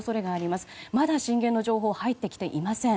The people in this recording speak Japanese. まだ震源の情報は入ってきていません。